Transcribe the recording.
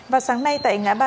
vào sáng nay tại ngân sơn